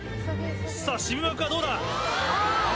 さぁ渋幕はどうだ？